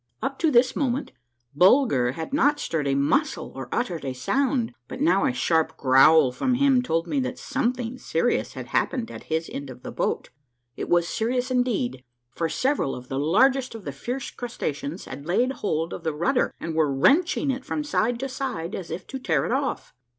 Up to this moment Bulger had not stirred a muscle or uttered a sound, but now a sharp growl from him told me that some thing serious had happened at his end of the boat. It was serious indeed, for several of tlie largest of the fierce crustaceans 142 A MARVELLOUS UNDERGROUND JOURNEY had laid hold of the rudder and were wrenching it from side to side as if to tear it off.